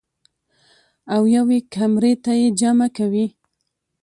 او يوې کمرې ته ئې جمع کوي -